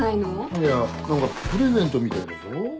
いや何かプレゼントみたいだぞ。